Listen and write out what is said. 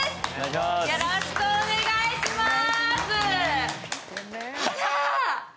よろしくお願いします。